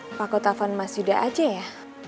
apa aku telpon mas yuda aja ya